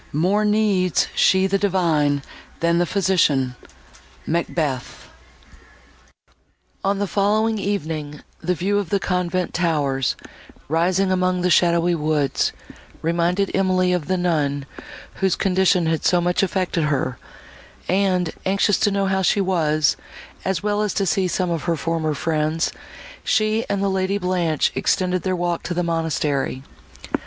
More needs she the divine, than the physician. MACBETH On the following evening, the view of the convent towers, rising among the shadowy woods, reminded Emily of the nun, whose condition had so much affected her; and, anxious to know how she was, as well as to see some of her former friends, she and the Lady Blanche extended their walk to the monastery.